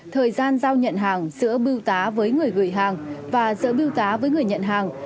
thời gian giao nhận hàng giữa biêu tá với người gửi hàng và giữa biêu tá với người nhận hàng